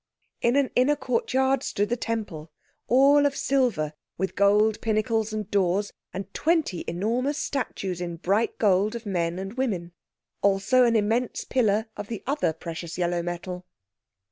In an inner courtyard stood the Temple—all of silver, with gold pinnacles and doors, and twenty enormous statues in bright gold of men and women. Also an immense pillar of the other precious yellow metal.